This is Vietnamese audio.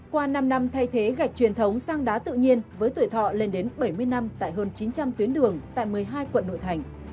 qua năm năm thay thế gạch truyền thống sang đá tự nhiên với tuổi thọ lên đến bảy mươi năm tại hơn chín trăm linh tuyến đường tại một mươi hai quận nội thành